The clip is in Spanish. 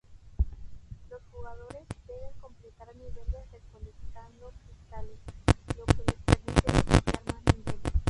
Los jugadores deben completar niveles recolectando cristales, lo que les permite desbloquear más niveles.